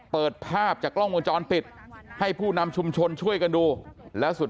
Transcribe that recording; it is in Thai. เปิดภาพจากกล้องวงจรปิดให้ผู้นำชุมชนช่วยกันดูแล้วสุด